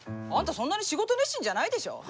そんなに仕事熱心じゃないでしょ。